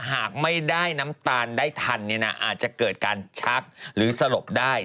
หากไม่ได้น้ำตาลได้ทันเนี่ยนะอาจจะเกิดการชักหรือสลบได้